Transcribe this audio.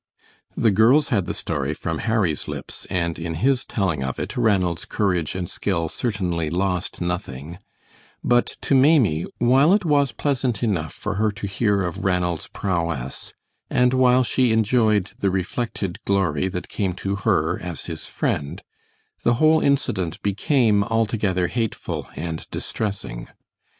The girls had the story from Harry's lips, and in his telling of it, Ranald's courage and skill certainly lost nothing; but to Maimie, while it was pleasant enough for her to hear of Ranald's prowess, and while she enjoyed the reflected glory that came to her as his friend, the whole incident became altogether hateful and distressing.